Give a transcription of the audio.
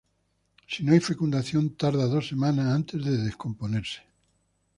Si no hay fecundación, tarda dos semanas antes de descomponerse.